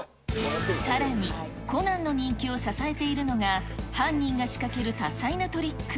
さらに、コナンの人気を支えているのが、犯人が仕掛ける多彩なトリック。